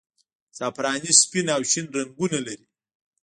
زعفراني سپین او شین رنګونه لري.